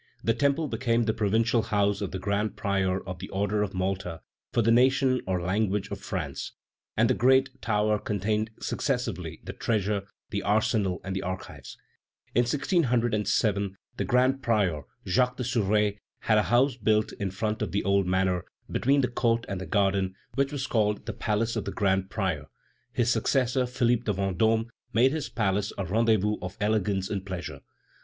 The Temple became the provincial house of the grand prior of the Order of Malta for the nation or language of France, and the great tower contained successively the treasure, the arsenal, and the archives. In 1607, the grand prior, Jacques de Souvré, had a house built in front of the old manor, between the court and the garden, which was called the palace of the grand prior. His successor, Philippe de Vendôme, made his palace a rendezvous of elegance and pleasure.